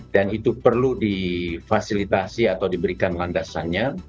dan itu perlu difasilitasi atau diberikan landasannya